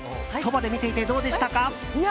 そばで見ていてどうでしたか？